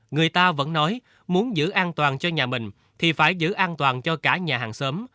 người ta vẫn nói muốn giữ an toàn cho nhà mình thì phải giữ an toàn cho cả nhà hàng xóm